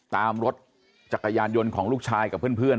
ตามรถจักรยานยนต์ของลูกชายกับเพื่อน